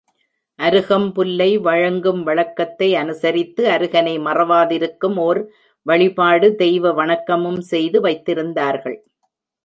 .அருகம் புல்லை வழங்கும் வழக்கத்தை அனுசரித்து அருகனை மறவாதிருக்கும் ஓர் வழிபாடு தெய்வ வணக்கமும் செய்து வைத்திருந்தார்கள்.